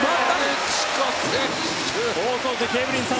放送席、エブリンさん